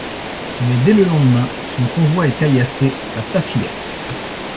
Mais dès le lendemain, son convoi est caillassé à Tafileh.